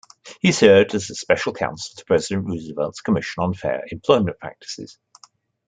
He served as a Special Counsel to President Roosevelt's Commission on Fair Employment Practices.